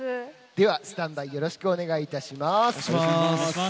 では、スタンバイよろしくお願いいたします。